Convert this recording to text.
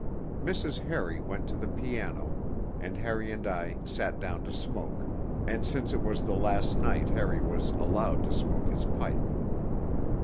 Mrs. Harry went to the piano, and Harry and I sat down to smoke; and since it was the last night Harry was allowed to smoke his pipe.